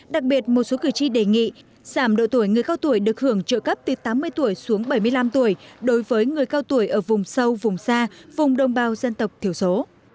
đặc biệt một số cử tri đề nghị giảm độ tuổi người cao tuổi được hưởng trợ cấp từ tám mươi tuổi xuống bảy mươi năm tuổi đối với người cao tuổi ở vùng sâu vùng xa vùng đồng bào dân tộc thiểu số